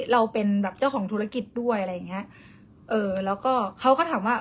เราเป็นแบบเจ้าของธุรกิจด้วยอะไรอย่างเงี้ยเออแล้วก็เขาก็ถามว่า